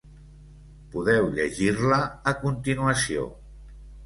Podeu llegir-la a continuació.